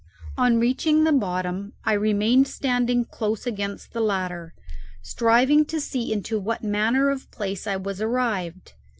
On reaching the bottom I remained standing close against the ladder, striving to see into what manner of place I was arrived.